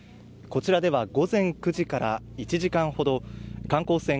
こちらでは午前９時から１時間ほど観光船